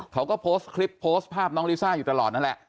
เขาก็โพสต์คลิปโพสต์ภาพน้องลิซ่าอยู่ตลอดนั่นแหละ